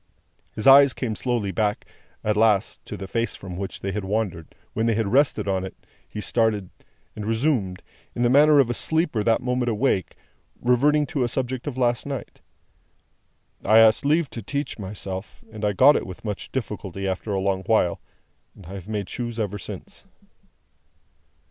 His eyes came slowly back, at last, to the face from which they had wandered; when they rested on it, he started, and resumed, in the manner of a sleeper that moment awake, reverting to a subject of last night. "I asked leave to teach myself, and I got it with much difficulty after a long while, and I have made shoes ever since."